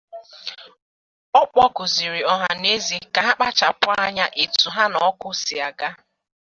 Ọ kpọkuzịrị ọhaneze ka ha kpachapụ anya etu ha na ọkụ si aga